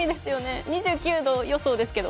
２９度予想ですけど。